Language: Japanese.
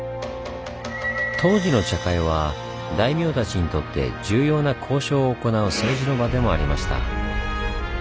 当時の茶会は大名たちにとって重要な交渉を行う政治の場でもありました。